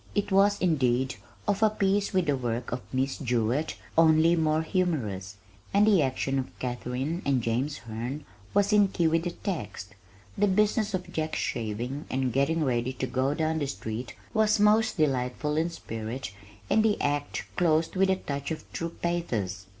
It was, indeed, of a piece with the work of Miss Jewett only more humorous, and the action of Katharine and James Herne was in key with the text. The business of "Jack's" shaving and getting ready to go down the street was most delightful in spirit and the act closed with a touch of true pathos.